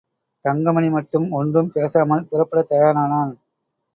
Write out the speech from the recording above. தங்கமணி மட்டும் ஒன்றும் பேசாமல் புறப்படத் தயாரானான்.